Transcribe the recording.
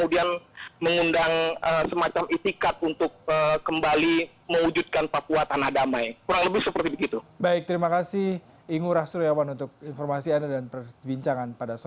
dan kemudian bagaimana reaksi dari apa pemerintah ini yang bermartabat